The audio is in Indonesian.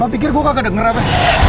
lo pikir gua gak kedenger apa